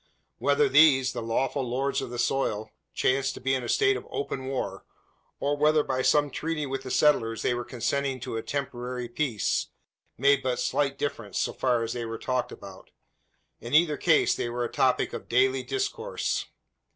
Whether these, the lawful lords of the soil, chanced to be in a state of open war or whether, by some treaty with the settlers they were consenting to a temporary peace made but slight difference, so far as they were talked about. In either case they were a topic of daily discourse.